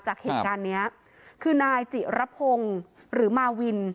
จากเหตุการณ์เนี้ยคือนายจิระพงศ์หรือมาวิน